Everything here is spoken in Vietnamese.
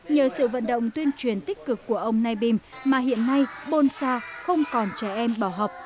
nhờ sự vận động tuyên truyền tích cực của ông nay bim mà hiện nay bồn sa không còn trẻ em bảo học